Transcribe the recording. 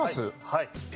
はい。